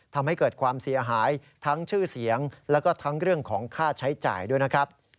ทำให้เกิดความเสียหายทั้งชื่อเสียงแล้วก็ทั้งเรื่องของค่าใช้จ่ายด้วยนะครับ